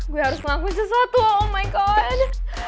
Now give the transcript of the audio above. gue harus ngakuin sesuatu oh my god